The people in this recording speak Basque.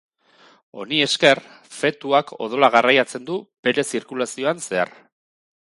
Honi esker, fetuak odola garraiatzen du bere zirkulazioan zehar.